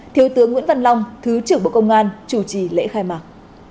thiếu tướng nguyễn văn long thứ trưởng bộ công an chủ trì lễ khai mạc